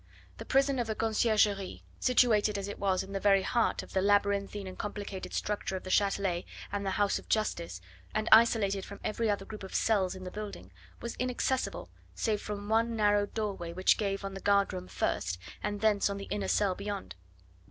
The prison of the Conciergerie, situated as it was in the very heart of the labyrinthine and complicated structure of the Chatelet and the house of Justice, and isolated from every other group of cells in the building, was inaccessible save from one narrow doorway which gave on the guard room first, and thence on the inner cell beyond.